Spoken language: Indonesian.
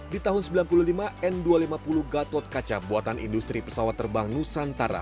di tahun seribu sembilan ratus sembilan puluh lima n dua ratus lima puluh gatot kaca buatan industri pesawat terbang nusantara